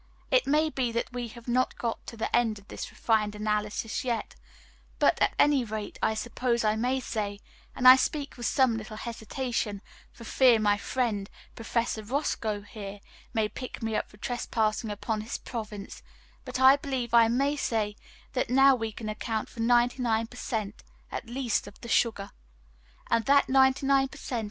It may be that we have not got to the end of this refined analysis yet, but at any rate, I suppose I may say and I speak with some little hesitation for fear my friend Professor Roscoe here may pick me up for trespassing upon his province but I believe I may say that now we can account for 99 per cent. at least of the sugar, and that 99 per cent.